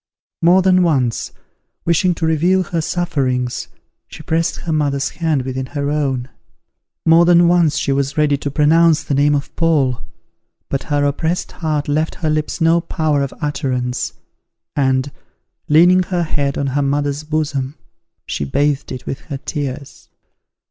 More than once, wishing to reveal her sufferings, she pressed her mother's hand within her own; more than once she was ready to pronounce the name of Paul: but her oppressed heart left her lips no power of utterance, and, leaning her head on her mother's bosom, she bathed it with her tears.